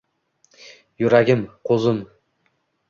Yuragim, qo’zim.